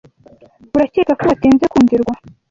urakeka ko watinze kumvirwa